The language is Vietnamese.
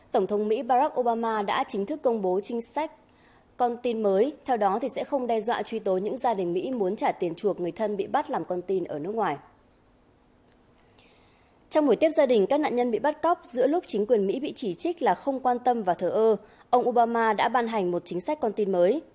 trong khi các nạn nhân bị bắt cóc giữa lúc chính quyền mỹ bị chỉ trích là không quan tâm và thờ ơ ông obama đã ban hành một chính sách con tin mới